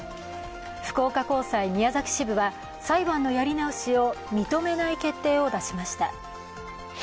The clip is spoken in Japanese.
福岡高裁宮崎支部は裁判のやり直しを認めない決定を出しました。